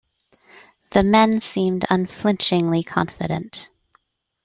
The men seemed unflinchingly confident.